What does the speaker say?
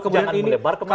jangan melebar kemana mana